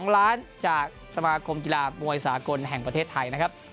๒ล้านจากสมาคมกีฬามวยสากลแห่งประเทศไทยนะครับ